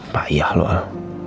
pak iah lu ah